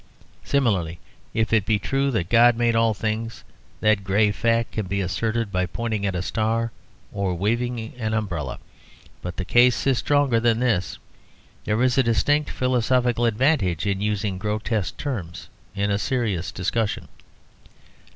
Similarly, if it be true that God made all things, that grave fact can be asserted by pointing at a star or by waving an umbrella. But the case is stronger than this. There is a distinct philosophical advantage in using grotesque terms in a serious discussion.